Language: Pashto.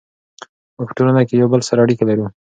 موږ په ټولنه کې یو بل سره اړیکې لرو.